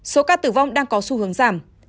số ca tử vong đang có xu hướng giảm